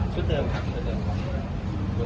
เดิมครับชุดเดิมครับ